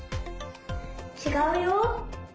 ちがうよ。